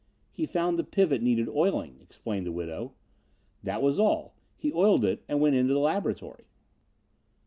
"He found the pivot needed oiling," explained the widow. "That was all. He oiled it and went into the laboratory."